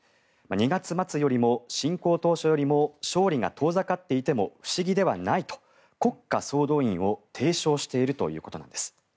２月末の侵攻当初よりも勝利が遠ざかっていても不思議ではないと国家総動員を提唱しているということです。